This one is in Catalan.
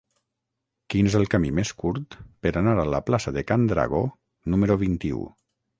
Quin és el camí més curt per anar a la plaça de Can Dragó número vint-i-u?